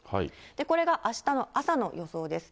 これがあしたの朝の予想です。